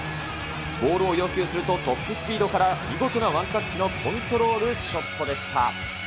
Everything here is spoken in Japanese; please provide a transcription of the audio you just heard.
ボールを要求すると、トップスピードから見事なワンタッチのコントロールショットでした。